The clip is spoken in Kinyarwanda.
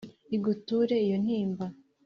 iguture iyo ntimba !